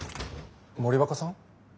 森若さん？